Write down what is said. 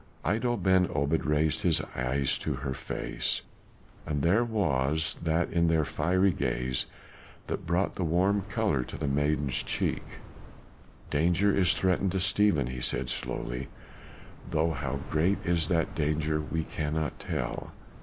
Iddo Ben Obed raised his eyes to her face, and there was that in their fiery gaze that brought the warm color to the maiden's cheek. "Danger is threatened to Stephen," he said slowly, "though how great is that danger we cannot tell."